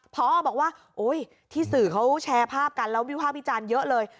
พอบอกว่าโอ๊ยที่สื่อเขาแชร์ภาพกันแล้ววิวภาพพี่จานเยอะเลย